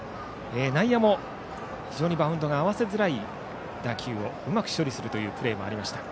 内野も非常にバウンドが合わせづらい打球をうまく処理するプレーもありました。